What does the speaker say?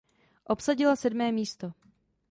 Obsadila sedmé místo.